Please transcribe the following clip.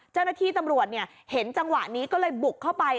เจ้าหน้าที่ตำรวจเห็นจังหวะนี้ก็เลยบุกเข้าไป